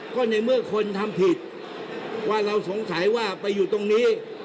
ก็ในเมื่อคนทำผิดว่าเราสงสัยว่าไปอยู่ตรงนี้